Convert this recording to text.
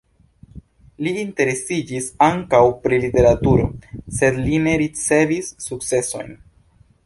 Li interesiĝis ankaŭ pri literaturo, sed li ne ricevis sukcesojn.